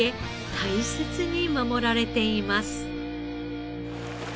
大切に守られています。